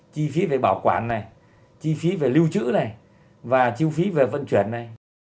chi phí về bảo quản này chi phí về lưu trữ này và chi phí về vận chuyển này